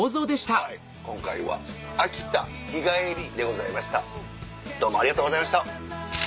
はい今回は秋田日帰りでございましたどうもありがとうございました。